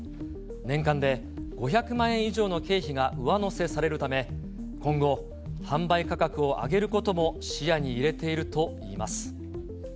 年間で５００万円以上の経費が上乗せされるため、今後、販売価格を上げることも視野に入れているといいます。